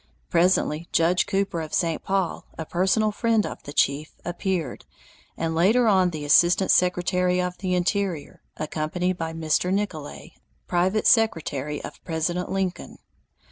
Presently Judge Cooper of St. Paul, a personal friend of the chief, appeared, and later on the Assistant Secretary of the Interior, accompanied by Mr. Nicolay, private secretary of President Lincoln.